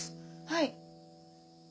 はい。